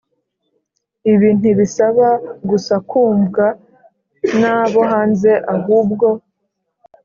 Ibi ntibisaba gusa kumvwa nabo hanze ahubwo